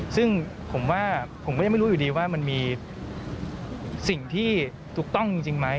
ซึ่งผมว่าผมก็ยังไม่รู้อยู่ดีว่ามันมีสิ่งที่ถูกต้องจริงไหม